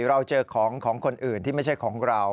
เราเจอของของคนอื่นที่ไม่ใช่ของเรา